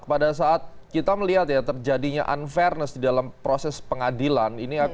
pada saat kita melihat ya terjadinya unfairness di dalam proses pengadilan